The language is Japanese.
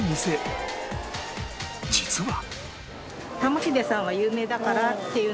実は